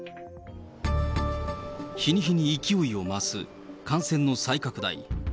日に日に勢いを増す感染の再拡大。